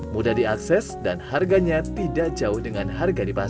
mudah diakses dan harganya tidak jauh dengan harga di pasar